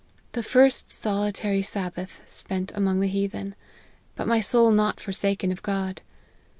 The first solitary Sab bath spent among the heathen : but my soul not forsaken of God.